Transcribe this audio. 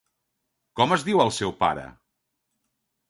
Com es diu el seu pare?